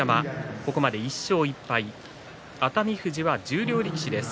ここまで１勝１敗熱海富士、十両力士です。